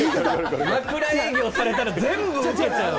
枕営業されたら全部受けちゃう。